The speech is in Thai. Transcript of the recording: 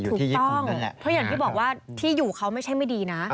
ถูกต้องเพราะอย่างที่บอกว่าที่อยู่เขาไม่ใช่ไม่ดีนะ